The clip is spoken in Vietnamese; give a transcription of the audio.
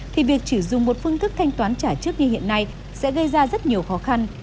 thì việc chỉ dùng một phương thức thanh toán trả trước như hiện nay sẽ gây ra rất nhiều khó khăn